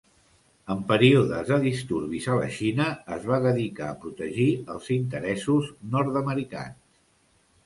En períodes de disturbis a la Xina, es va dedicar a protegir els interessos nord-americans.